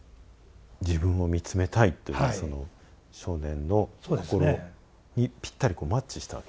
自分を見つめたいっていうその少年の心にぴったりマッチしたわけですね。